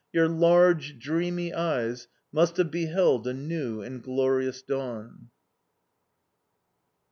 Your large, dreamy eyes must have beheld a new and glorious dawn.